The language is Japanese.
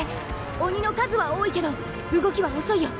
鬼の数は多いけど動きは遅いよ。